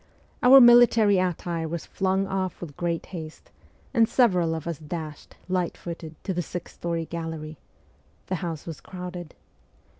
Our military attire was flung off with great haste, and several of us dashed, lightfooted, to the sixth story gallery. The house was crowded.